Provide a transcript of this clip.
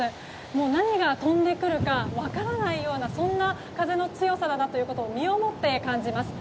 もう何が飛んでくるか分からないようなそんな風の強さだというのを身をもって感じます。